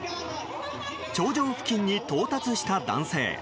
頂上付近に到達した男性。